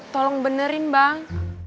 tolong benerin bang